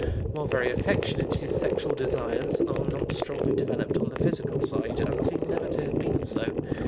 While very affectionate, his sexual desires are not strongly developed on the physical side, and seem never to have been so.